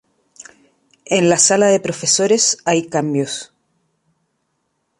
En la sala de profesores hay cambios.